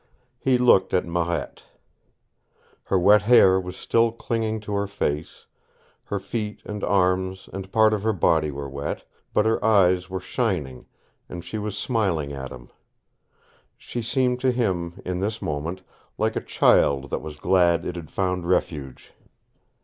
He looked at Marette. Her wet hair was still clinging to her face, her feet and arms and part of her body were wet; but her eyes were shining, and she was smiling at him. She seemed to him, in this moment, like a child that was glad it had found refuge.